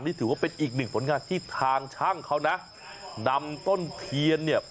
นี่ถือว่าเป็นอีกหนึ่งผลงานที่ทางช่างเขานะนำต้นเทียนเนี่ย